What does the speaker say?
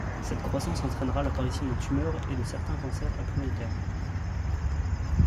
Cette croissance entraînera l’apparition de tumeur et de certains cancers à plus long terme.